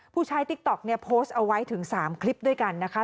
ใช้ติ๊กต๊อกเนี่ยโพสต์เอาไว้ถึง๓คลิปด้วยกันนะคะ